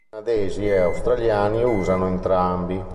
Canadesi e australiani usano entrambi.